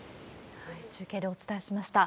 中継でお伝えしました。